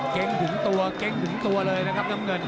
เกรงถึงตัวเลยนะครับน้ำเงิน